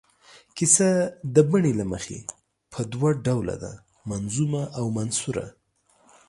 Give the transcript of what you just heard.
کیسه د بڼې له مخې په دوه ډوله ده، منظومه او منثوره.